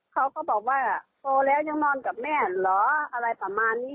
เขาก็บอกว่าโตแล้วยังนอนกับแม่เหรออะไรประมาณนี้